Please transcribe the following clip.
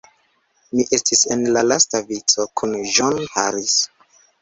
Mi estis en la lasta vico, kun John Harris.